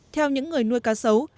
theo những người nuôi cá sấu